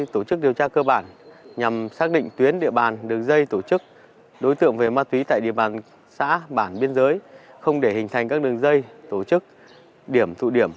tại địa bàn xã bản biên giới không để hình thành các đường dây tổ chức điểm thụ điểm